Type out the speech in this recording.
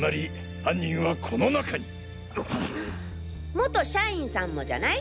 元社員さんもじゃない？